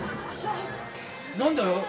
何でだよ